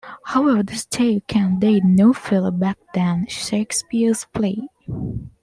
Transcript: However this tale can date no further back than Shakespeare's play.